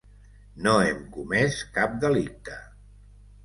No hem comès cap delicte.